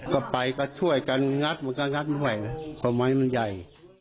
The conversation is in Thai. ก็ไปก็ช่วยกันงัดมึงก็ไหวล์ประมายมันใหญ่